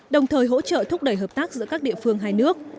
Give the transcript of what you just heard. đồng thời hỗ trợ thúc đẩy hợp tác giữa các địa phương hai nước